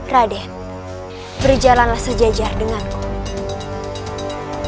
raden berjalanlah sejajar denganku